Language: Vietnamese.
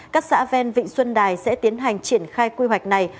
các xã ven vịnh xuân đài sẽ tiến hành triển khai quy hoạch này